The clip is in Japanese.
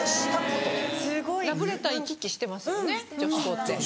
ラブレター行き来してますよね女子校って。